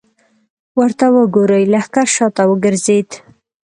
ورته وګورئ! لښکر شاته وګرځېد.